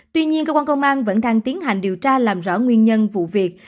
tuy nhiên cơ quan công an vẫn đang tiến hành điều tra làm rõ nguyên nhân vụ việc